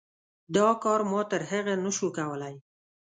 دا کار ما تر هغه نه شو کولی.